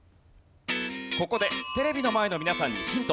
ここでテレビの前の皆さんにヒント。